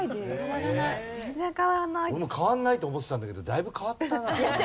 俺も変わらないと思ってたんだけどだいぶ変わったな。